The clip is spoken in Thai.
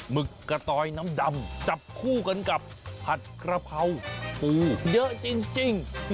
หึกกะตอยน้ำดำจับคู่กันกับผัดกระเพราปูเยอะจริง